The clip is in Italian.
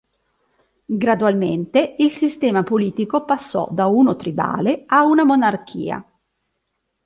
Gradualmente, il sistema politico passò da uno tribale a una monarchia.